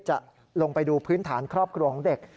จะลงไปดูพื้นฐานครอบครัวของเด็ก